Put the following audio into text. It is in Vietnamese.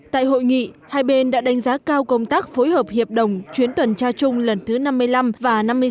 tại hội nghị hai bên đã đánh giá cao công tác phối hợp hiệp đồng chuyến tuần tra chung lần thứ năm mươi năm và năm mươi sáu